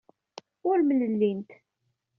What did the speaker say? Ur mlellint.